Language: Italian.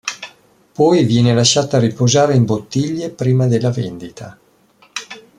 Poi viene lasciata riposare in bottiglie prima della vendita.